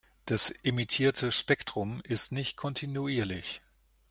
Das emittierte Spektrum ist nicht kontinuierlich.